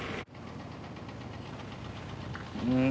うん？